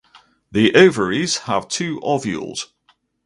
The ovaries have two ovules.